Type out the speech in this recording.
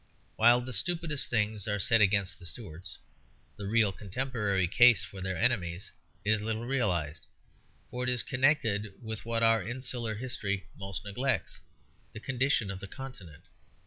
While the stupidest things are said against the Stuarts, the real contemporary case for their enemies is little realized; for it is connected with what our insular history most neglects, the condition of the Continent.